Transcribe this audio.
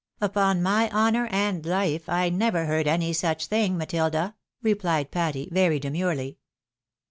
" Upon my honour and life I never heard any such thing, Matilda," replied Patty, very demurely.